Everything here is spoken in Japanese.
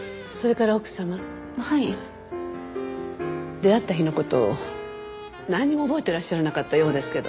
出会った日の事をなんにも覚えていらっしゃらなかったようですけど。